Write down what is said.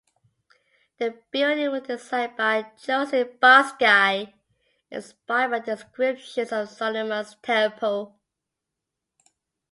The building was designed by Joseph Barsky, inspired by descriptions of Solomon's Temple.